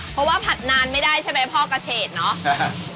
เพราะว่าผัดนานไม่ได้ใช่ไหมพ่อกระเฉดเนาะ